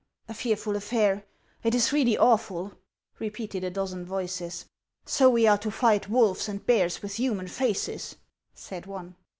" A fearful affair ! It is really awful •" repeated a dozen voices. " So we are to fight wolves and bears with human faces," said one.